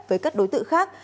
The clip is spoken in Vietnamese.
với các đối tượng khác